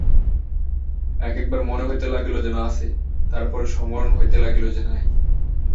একএকবার মনে হইতে লাগিল যেন আছে, তার পরে সমরণ হইতে লাগিল যে নাই।